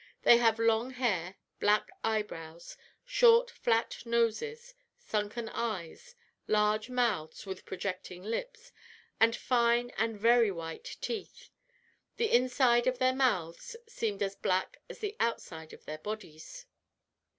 They have long hair, black eyebrows, short flat noses, sunken eyes, large mouths, with projecting lips, and fine and very white teeth. The inside of their mouths seemed as black as the outside of their bodies.